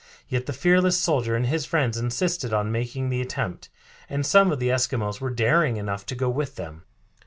Yet the fearless soldier and his friends insisted on making the attempt, and some of the Eskimos were daring enough to go with them.